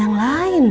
kalau udah ini